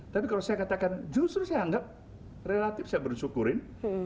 tapi kalau saya katakan justru saya anggap relatif saya bersyukurin